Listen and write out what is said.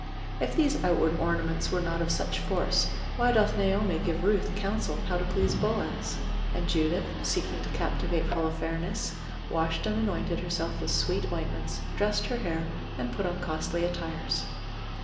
If these outward ornaments were not of such force, why doth Naomi give Ruth counsel how to please Boaz? and Judith, seeking to captivate Holofernes, washed and anointed herself with sweet ointments, dressed her hair, and put on costly attires.